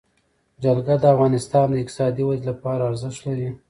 جلګه د افغانستان د اقتصادي ودې لپاره ارزښت لري.